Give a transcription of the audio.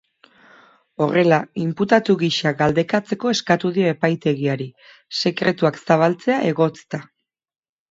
Horrela, inputatu gisa galdekatzeko eskatu dio epaitegiari, sekretuak zabaltzea egotzita.